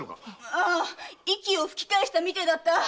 ああ息を吹き返したみたいだった。